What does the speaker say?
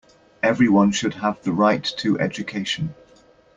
Everyone should have the right to education.